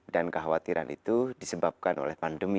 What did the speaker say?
dan kekhawatiran itu disebabkan oleh pandemi